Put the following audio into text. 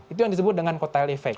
itu yang disebut dengan kotel efek